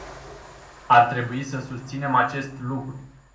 Ar trebui să susținem acest lucru.